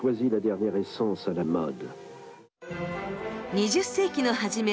２０世紀の初め